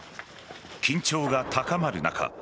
緊張が高まる中